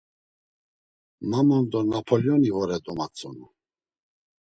Ma mondo Napolyoni vore, domatzonu.